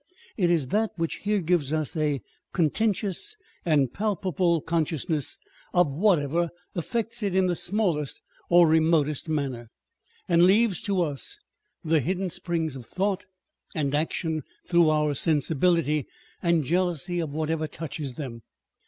It is that which here gives us a con tentious and palpable consciousness of whatever affects 502 On Depth and Superficiality. it in the smallest or remotest manner, and leaves to us the hidden springs of thought and action through our sensi bility and jealousy of whatever touches them.